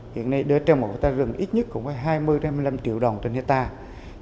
hiện nay đối với trang mẫu của ta rừng ít nhất cũng có hai mươi hai mươi năm triệu đồng trên hectare